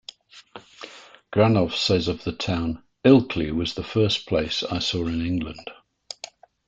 Granov says of the town, Ilkley was the first place I saw in England.